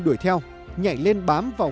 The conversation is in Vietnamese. đuổi theo nhảy lên bám vào